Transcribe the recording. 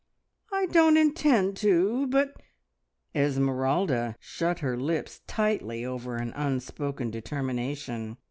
"I don't intend to, but " Esmeralda shut her lips tightly over an unspoken determination.